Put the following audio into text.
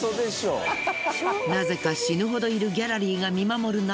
なぜか死ぬほどいるギャラリーが見守る中。